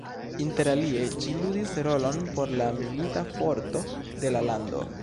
Interalie ĝi ludis rolon por la milita forto de la lando.